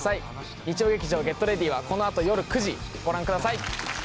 日曜劇場「ＧｅｔＲｅａｄｙ！」はこのあと夜９時ご覧ください